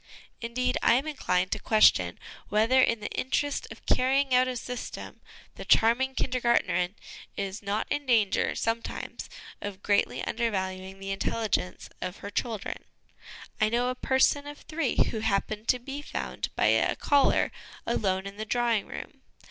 Indeed, I am inclined to question whether, in the interest of carrying out a system, the charming Kindergartnerin is not in danger some times of greatly undervaluing the intelligence of her children. I know a person of three who happened to be found by a caller alone in the drawing room.